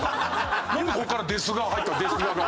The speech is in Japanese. ここから「ですが」入った「ですが」が。